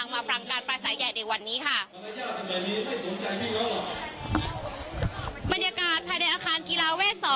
บรรยากาศภายในอาคารกีฬาเวส๒